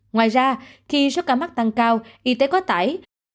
ngoài ra khi số ca mắc tăng cao y tế quá tải